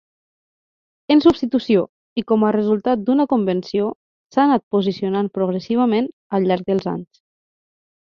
En substitució i com a resultat d'una convenció, s'ha anat posicionant progressivament al llarg dels anys.